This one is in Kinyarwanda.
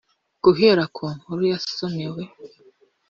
-guhera ku nkuru yasomewe